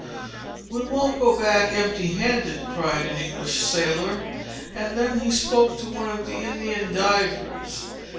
"We won't go back empty handed," cried an English sailor; and then he spoke to one of the Indian divers.